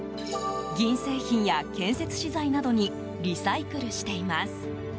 銀製品や建設資材などにリサイクルしています。